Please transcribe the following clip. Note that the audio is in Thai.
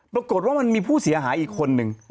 ปรากฏว่ามันมีผู้เสียหายอีกคนนึง